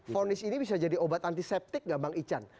fonis ini bisa jadi obat antiseptik nggak bang ican